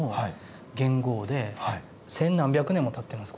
千何百年もたってます